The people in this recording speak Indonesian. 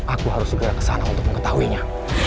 aku harus segera kesana untuk mengetahuinya